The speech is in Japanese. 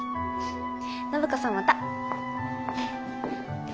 暢子さんまた。